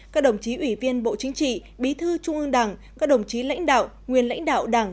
các đồng chí ủy viên bộ chính trị bí thư trung ương đảng các đồng chí lãnh đạo nguyên lãnh đạo đảng